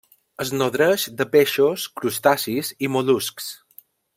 Es nodreix de peixos, crustacis i mol·luscs.